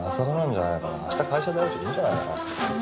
明日会社で会うしいいんじゃないのかな？